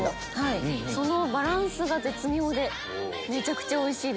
そのバランスが絶妙でめちゃくちゃおいしいです。